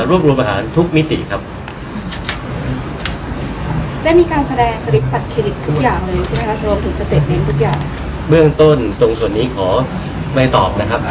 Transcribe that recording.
พี่แจงในประเด็นที่เกี่ยวข้องกับความผิดที่ถูกเกาหา